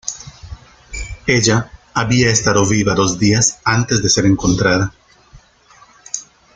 Ella había estado viva dos días antes de ser encontrada.